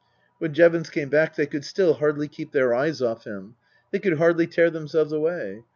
When Jevons came back they could still hardly keep their eyes off him ; they could hardly tear themselves away.